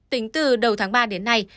tính từ đầu tháng ba đến nay